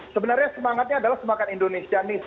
sebenarnya semangatnya adalah semangat indonesia nih